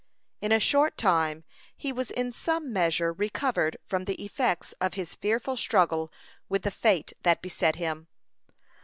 In a short time he was in some measure recovered from the effects of his fearful struggle with the fate that beset him.